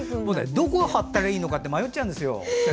どこ貼ったらいいのか迷っちゃうんですよ。